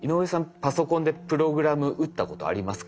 パソコンでプログラム打ったことありますか？